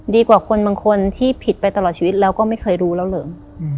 ดีกว่าคนบางคนที่ผิดไปตลอดชีวิตแล้วก็ไม่เคยรู้แล้วเหรอ